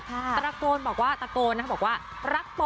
ตรากลบอกว่าตรากลบอกว่า